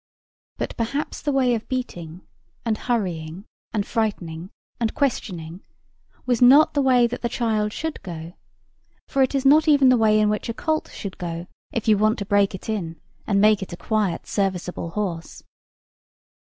But perhaps the way of beating, and hurrying and frightening, and questioning, was not the way that the child should go; for it is not even the way in which a colt should go if you want to break it in and make it a quiet serviceable horse.